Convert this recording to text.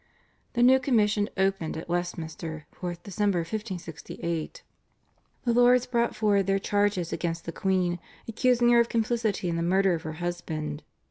The new commission opened at Westminster (4th Dec. 1568). The lords brought forward their charges against the queen accusing her of complicity in the murder of her husband.